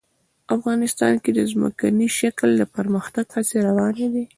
افغانستان کې د ځمکنی شکل د پرمختګ هڅې روانې دي.